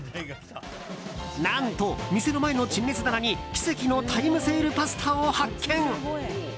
何と店の前の陳列棚に奇跡のタイムセールパスタを発見。